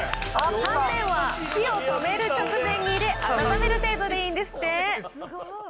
はんぺんは火を止める直前に入れ、温める程度でいいんですって。